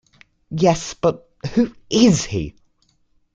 Yes, but who is he?